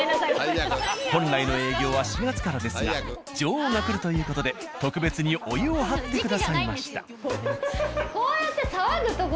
本来の営業は４月からですが女王が来るという事で特別にお湯を張ってくださいました。